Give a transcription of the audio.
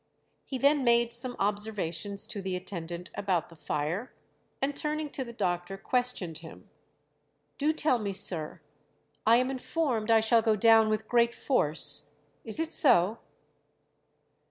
He then made some observations to the attendant about the fire, and turning to the doctor, questioned him. 'Do tell me, sir; I am informed I shall go down with great force; is it so?'